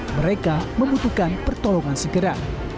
mereka membutuhkan pertolongan segera